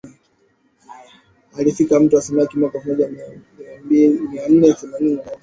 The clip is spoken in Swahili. Alifika mto wa samaki mwaka elfu moja mia nne themanini na nane